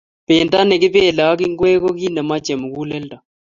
Pendo ne kipelei ak ngwek ko kit nemachei muguleldo